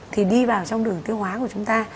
thì đi vào trong đường tiêu hóa của chúng ta